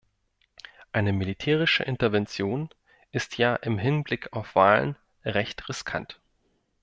Eine militärische Intervention ist ja im Hinblick auf Wahlen recht riskant.